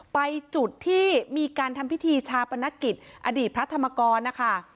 ไปจุดที่มีการทำพิธีชาปนกิจอดีตพระธรรมกรนะคะ